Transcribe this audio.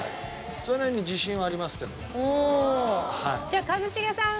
それなりに自信はありますけどね。